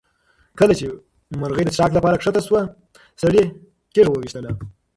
کله چې مرغۍ د څښاک لپاره کښته شوه سړي تیږه وویشتله.